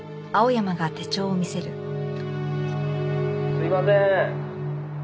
「すいません」